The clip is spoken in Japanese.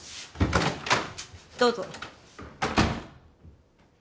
どうぞ。